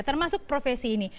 termasuk profesi ini